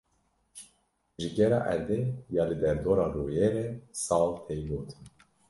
Ji gera erdê ya li derdora royê re sal tê gotin.